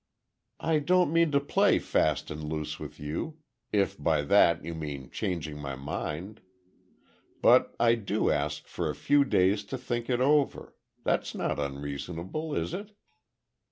"I don't mean to play fast and loose with you, if by that you mean changing my mind. But, I do ask for a few days to think it over. That's not unreasonable, is it?"